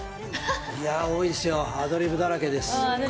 いや、多いですよ、アドリブだらけです。